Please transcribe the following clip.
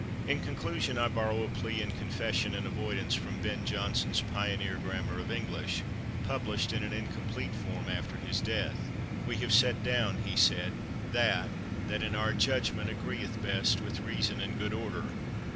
In conclusion I borrow a plea in confession and avoidance from Ben Jonson's pioneer grammar of English, published in incomplete form after his death. "We have set down," he said, "that that in our judgment agreeth best with reason and good order.